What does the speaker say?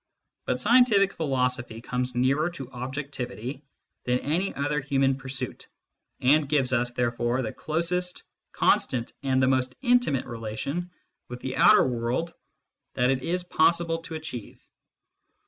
But scientific philosophy comes nearer to objectivity than any other human pursuit, and gives us, therefore, the closest constant and the most intimate relation with the outer world that it is possible to achieve.